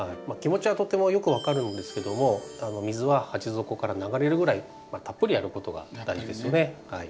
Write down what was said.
気持ちはとてもよく分かるんですけども水は鉢底から流れるぐらいたっぷりやることが大事ですよね。